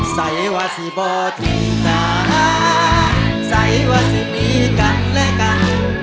ใส่ว่าสิบ่ตีหนาใสว่าสิมีกันและกัน